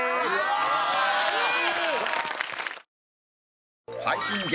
いい！